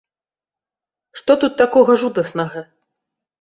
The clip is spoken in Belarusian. Што тут такога жудаснага?